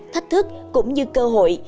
thách thức cũng như cơ hội